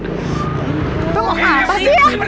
tunggu apa sih ya